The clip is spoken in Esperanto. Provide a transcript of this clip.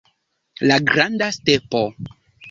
La granda stepo.